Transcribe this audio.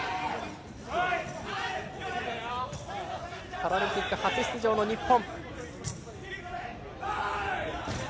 パラリンピック初出場の日本。